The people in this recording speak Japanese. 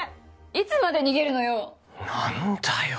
いつまで逃げるのよ。